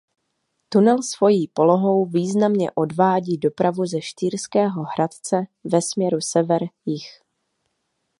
Tunel svojí polohou významně odvádí dopravu ze Štýrského Hradce ve směru sever–jih.